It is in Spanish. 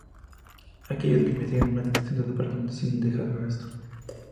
Aquellos que investigan esta situación desaparecen sin dejar rastro.